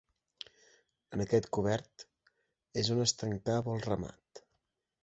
En aquest cobert és on es tancava el ramat.